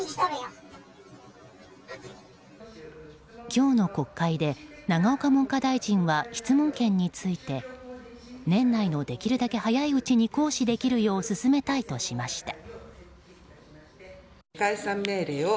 今日の国会で永岡文科大臣は質問権について年内のできるだけ早いうちに行使できるよう進めたいとしました。